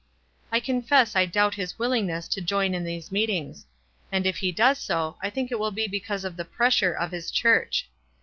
I confess I doubt his willing ness to join in these meetings ; and if he does so, I think it will be because of the pressure ot his church.